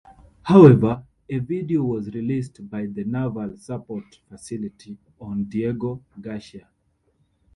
However, a video was released by the Naval Support Facility on Diego Garcia.